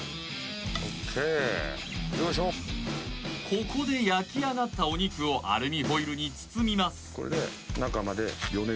ここで焼き上がったお肉をアルミホイルに包みます